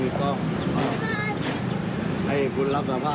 พี่อุ๋ยพ่อจะบอกว่าพ่อจะรับผิดแทนลูก